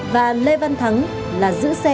và lê văn thắng là giữ xe